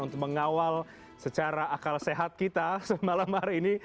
untuk mengawal secara akal sehat kita semalam hari ini